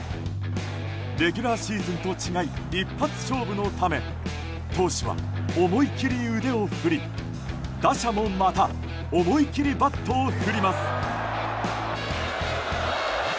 レギュラーシーズンと違い一発勝負のため投手は思い切り腕を振り打者もまた思い切りバットを振ります。